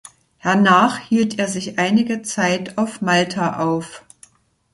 Hernach hielt er sich einige Zeit auf Malta auf.